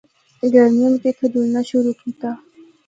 گرمیاں بچ اِتھا جُلنا شروع کیتا۔